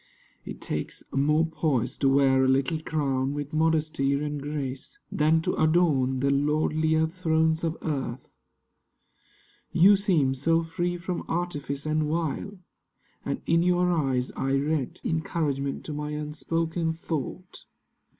(It takes more poise to wear a little crown With modesty and grace Than to adorn the lordlier thrones of earth.) You seem so free from artifice and wile: And in your eyes I read Encouragement to my unspoken thought.